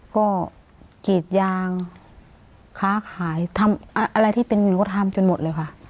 ก็กรีดยางค้าขายทำอะไรที่เป็นอยู่ก็ทำจนหมดเลยค่ะ